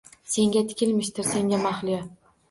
Senga tikilmishdir, senga mahliyo?